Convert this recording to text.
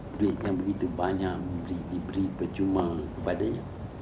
duit yang begitu banyak diberi percuma kepadanya